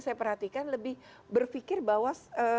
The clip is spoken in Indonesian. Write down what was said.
saya perhatikan lebih berpikir bahwa